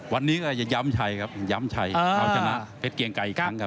วันนี้ก็ย้ำชัยและเอาถังชนะเฮดเกียงไก